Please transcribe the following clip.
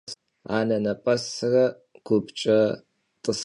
Anenep'esre gupç'e t'ısıp'ere.